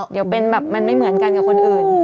เดี๋ยวเป็นแบบมันไม่เหมือนกันกับคนอื่น